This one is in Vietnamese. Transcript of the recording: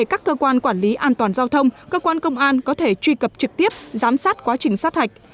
an toàn giao thông cơ quan công an có thể truy cập trực tiếp giám sát quá trình sát hạch